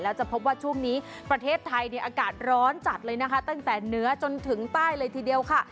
แล้วจะพบว่าช่วงนี้ประเทศไทยเนี่ยอากาศร้อนจัดเลยนะคะตั้งแต่เหนือจนถึงใต้เลยทีเดียวค่ะ